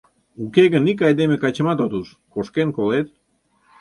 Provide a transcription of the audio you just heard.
Уке гын ик айдеме-качымат от уж, кошкен колет.